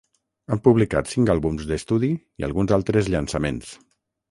Han publicat cinc àlbums d'estudi i alguns altres llançaments.